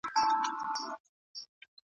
ولي ژړل ځیني وختونه ذهن ته ارامتیا بخښي؟